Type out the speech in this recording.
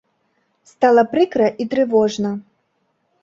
Стала прыкра і трывожна.